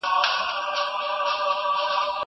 زه اوږده وخت بازار ته ځم وم.